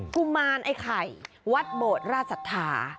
กุมารไอ้ไข่วัดโบดราชศรัทธา